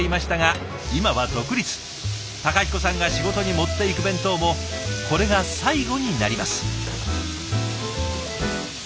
孝彦さんが仕事に持っていく弁当もこれが最後になります。